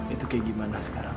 itu kayak gimana sekarang